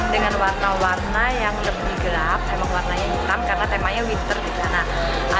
dengan warna warna yang lebih gelap emang warnanya hitam karena temanya winter di sana